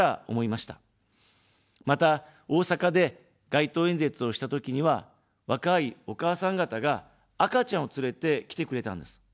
また、大阪で街頭演説をしたときには、若いお母さん方が、赤ちゃんを連れて来てくれたんです。